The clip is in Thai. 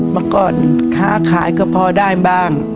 เมื่อก่อนค้าขายก็พอได้บ้าง